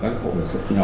các hộ sản xuất nhỏ